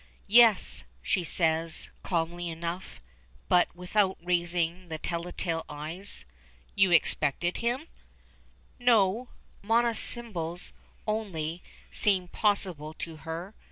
"Yes," she says, calmly enough, but without raising the tell tale eyes. "You expected him?" "No." Monosyllables alone seem possible to her.